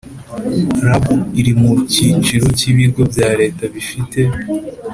Rab iri mu cyiciro cy ibigo bya leta bifite